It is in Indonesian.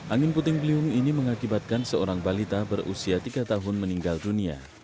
angin puting beliung ini mengakibatkan seorang balita berusia tiga tahun meninggal dunia